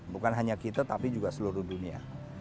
bukan hanya kita tapi juga seluruh dunia